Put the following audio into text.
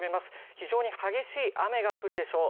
非常に激しい雨が降るでしょう